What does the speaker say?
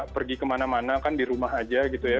pergi kemana mana kan di rumah aja gitu ya